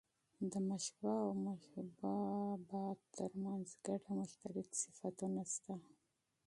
د مشبه او مشبه به؛ تر منځ ګډ او مشترک صفتونه سته.